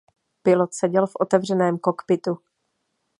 Pilot seděl v otevřeném kokpitu.